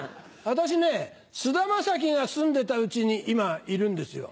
私ね菅田将暉が住んでた家に今いるんですよ。